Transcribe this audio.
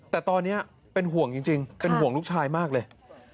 แต่ตอนนี้เป็นห่วงจริงเป็นห่วงลูกชายมากเลย